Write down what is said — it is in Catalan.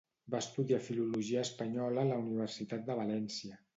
Va estudiar filologia espanyola a la Universitat de València.